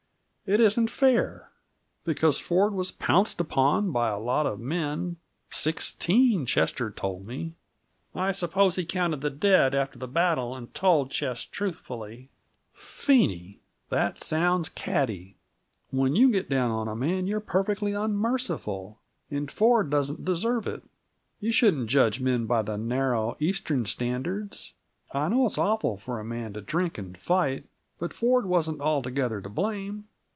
It isn't fair. Because Ford was pounced upon by a lot of men sixteen, Chester told me " "I suppose he counted the dead after the battle, and told Ches truthfully " "Phenie, that sounds catty! When you get down on a man, you're perfectly unmerciful, and Ford doesn't deserve it. You shouldn't judge men by the narrow, Eastern standards. I know it's awful for a man to drink and fight. But Ford wasn't altogether to blame.